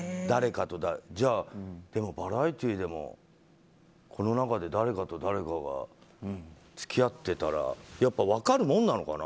じゃあバラエティーでもこの中で誰かと誰かが付き合ってたらやっぱ分かるものなのかな。